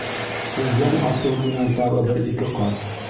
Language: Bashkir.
Ул йән асыуы менән тағы бер-ике ҡат: